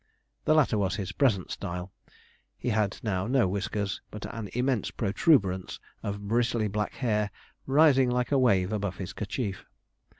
The latter was his present style. He had now no whiskers, but an immense protuberance of bristly black hair, rising like a wave above his kerchief.